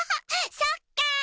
そっか！